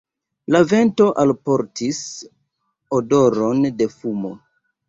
La vento alportis odoron de fumo.